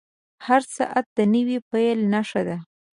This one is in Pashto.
• هر ساعت د نوې پیل نښه ده.